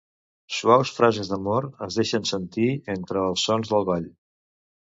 Suaus frases d'amor es deixen sentir entre els sons del ball.